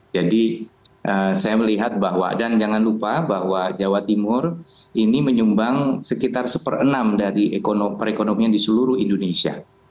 jadi saya melihat bahwa dan jangan lupa bahwa jawa timur ini menyumbang sekitar sepere enam dari perekonomian di seluruh indonesia